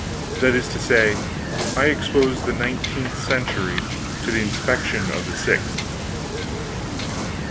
That is to say, I exposed the nineteenth century to the inspection of the sixth.